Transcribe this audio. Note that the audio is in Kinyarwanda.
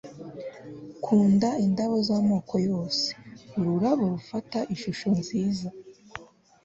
kunda indabo z'amoko yose , ururabo rufata ishusho nziza